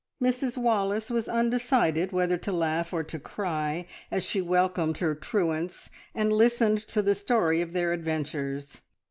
Mrs Wallace was undecided whether to laugh or to cry as she welcomed her truants and listened to the story of their adventures.